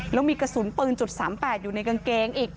แล้วมีกระสุนปืน๓๘อยู่ในกางเกงอีก